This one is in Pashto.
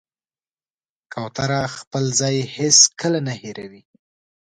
کوتره خپل ځای هېڅکله نه هېروي.